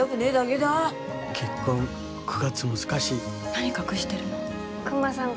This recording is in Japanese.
何、隠してるの？